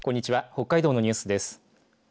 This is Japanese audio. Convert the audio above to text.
北海道のニュースです。